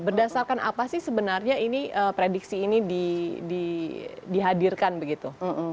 berdasarkan apa sih sebenarnya ini prediksi ini dihadirkan begitu